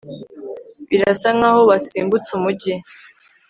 Birasa nkaho basimbutse umujyi